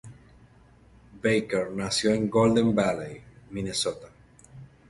Baker nació en Golden Valley, Minnesota.